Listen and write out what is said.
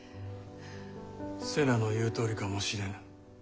瀬名の言うとおりかもしれぬ。